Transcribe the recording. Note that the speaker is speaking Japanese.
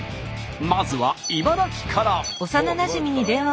まずは茨城から。